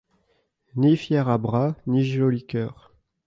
Ni fier-à-bras, ni joli cœur.